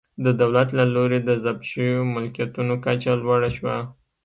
د دولت له لوري د ضبط شویو ملکیتونو کچه لوړه شوه.